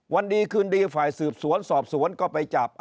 วันดีคืนดีฝ่ายสืบสวนสอบสวนก็ไปจับ